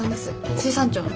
水産庁の。